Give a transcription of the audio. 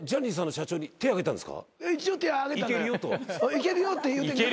いけるよって言うてんけど。